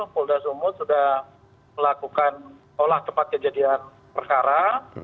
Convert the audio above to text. polda sumut sudah melakukan olah tempat kejadian perkara